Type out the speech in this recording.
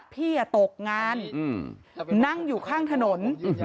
พี่ตกงานนั่งอยู่ข้างถนน